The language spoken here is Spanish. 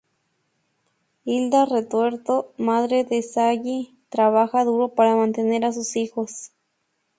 Hilda Retuerto, madre de Sally, trabaja duro para mantener a sus hijos.